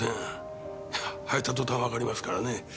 履いた途端わかりますからね。